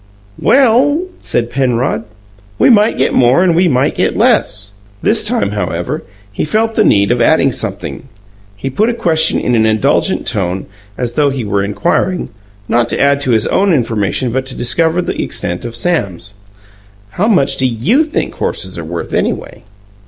"Well," said Penrod, "we might get more and we might get less." This time, however, he felt the need of adding something. He put a question in an indulgent tone, as though he were inquiring, not to add to his own information but to discover the extent of Sam's. "How much do you think horses are worth, anyway?"